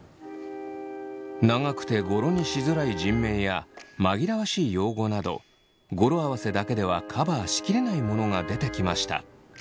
長くて語呂にしづらい人名や紛らわしい用語など語呂合わせだけではカバーし切れないものが出てきました。